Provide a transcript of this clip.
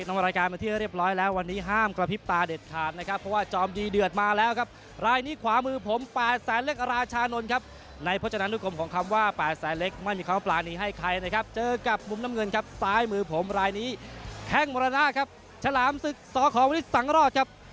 มรณาครับฉลามศึกสอของวิทย์สังรอบครับ